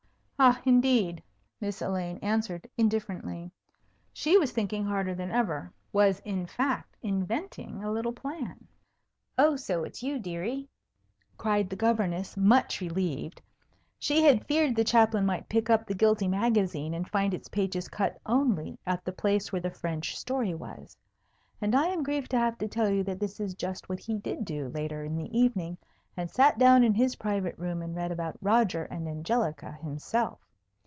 "Ah, indeed!" Miss Elaine answered, indifferently. She was thinking harder than ever, was, in fact, inventing a little plan. "Oh, so it's you, deary!" cried the Governess, much relieved. She had feared the Chaplain might pick up the guilty magazine and find its pages cut only at the place where the French story was. And I am grieved to have to tell you that this is just what he did do later in the evening, and sat down in his private room and read about Roger and Angelica himself.